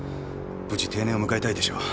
無事定年を迎えたいでしょう。